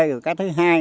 rồi cái thứ hai